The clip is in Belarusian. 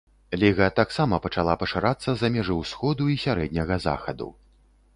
Ліга таксама пачала пашырацца за межы ўсходу і сярэдняга захаду.